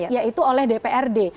yaitu oleh dprd